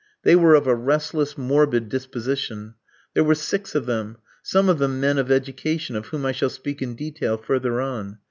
They were of a restless, morbid disposition: there were six of them, some of them men of education, of whom I shall speak in detail further on.